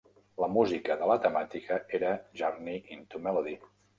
La música de la temàtica era Journey into Melody.